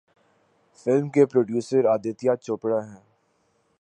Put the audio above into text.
Film کے producer Aditya Chopra ہیں۔